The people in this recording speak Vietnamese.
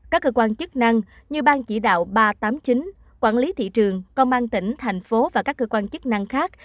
các cơ quan chức năng như ban chỉ đạo ba trăm tám mươi chín quản lý thị trường công an tỉnh thành phố và các cơ quan chức năng khác